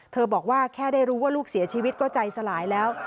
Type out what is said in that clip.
บอกว่าแค่ได้รู้ว่าลูกเสียชีวิตก็ใจสลายแล้ว